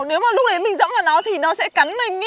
nếu mà lúc đấy mình dẫm vào nó thì nó sẽ cắn mình